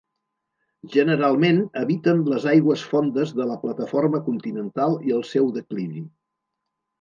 Generalment, habiten les aigües fondes de la plataforma continental i el seu declivi.